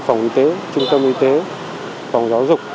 phòng y tế trung tâm y tế phòng giáo dục